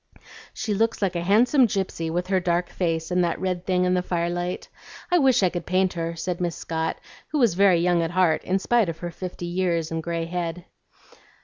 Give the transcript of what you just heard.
"She looks like a handsome gypsy, with her dark face and that red thing in the firelight. I wish I could paint her," said Miss Scott, who was very young at heart in spite of her fifty years and gray head.